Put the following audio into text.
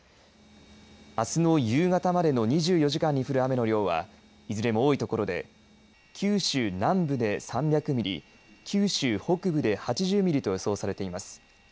あすの夕方までの２４時間に降る雨の量はいずれも多いところで九州南部で３００ミリ九州北部で８０ミリと予想されています。